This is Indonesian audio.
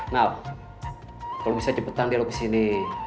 nal kalo bisa cepetan dialog ke sini